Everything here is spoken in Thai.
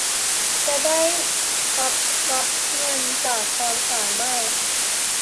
จะได้ทรัพย์รับเงินจากความสามารถ